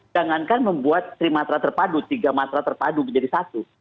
jangankan membuat tiga mata terpadu menjadi satu